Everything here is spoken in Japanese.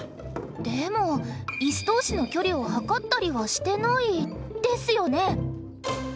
でもイス同士の距離を測ったりはしてないですよね？